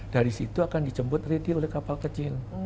dari situ akan dijemput reti oleh kapal kecil